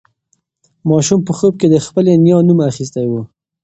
ماشوم په خوب کې د خپلې نیا نوم اخیستی و.